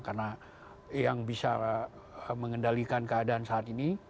karena yang bisa mengendalikan keadaan saat ini